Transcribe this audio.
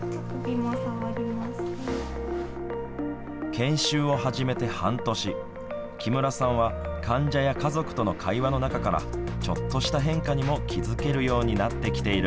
研修を始めて半年木村さんは患者や家族との会話の中からちょっとした変化にも気付けるようになってきている。